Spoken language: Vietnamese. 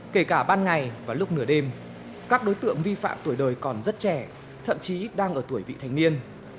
kể cả ban ngày và lúc nửa đêm các đối tượng vi phạm tuổi đời còn rất trẻ thậm chí đang ở tuổi vị thành niên